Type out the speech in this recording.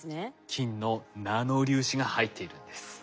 金のナノ粒子が入っているんです。